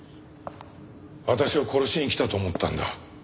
私を殺しに来たと思ったんだ。